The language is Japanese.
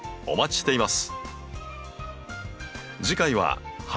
お待ちしています。